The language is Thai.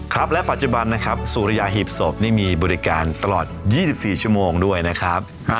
ครับและปัจจุบันนะครับสุริยาหีบศพนี่มีบริการตลอด๒๔ชั่วโมงด้วยนะครับ